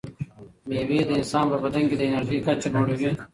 مېوې د انسان په بدن کې د انرژۍ کچه لوړوي.